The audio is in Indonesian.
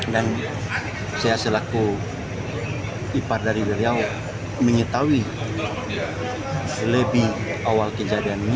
dan saya selaku ipar dari beliau mengetahui lebih awal kejadian ini